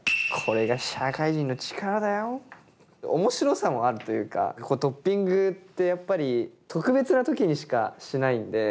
面白さもあるというかトッピングってやっぱり特別な時にしかしないんで。